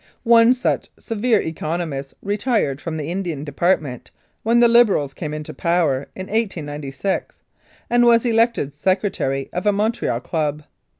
One such severe economist retired fr >m the Indian Department when the Liberals came nto power in 1896, and was elected secretary of a Moncreal club.